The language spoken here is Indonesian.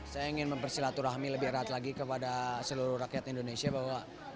saya ingin mempersilaturahmi lebih erat lagi kepada seluruh rakyat indonesia bahwa